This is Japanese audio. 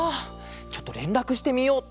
ちょっとれんらくしてみよう。